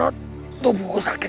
dan untuk pembelajaran saya